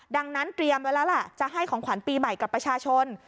ดังนั้นเตรียมไว้แล้วล่ะจะให้ของขวัญปีใหม่กับประชาชน